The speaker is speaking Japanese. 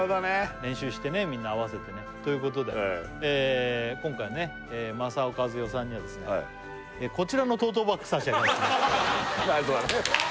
練習してねみんな合わせてねということで今回ねＭＡＳＡＯ．ＫＡＺＵＹＯさんにはですねこちらのトートバッグ差し上げます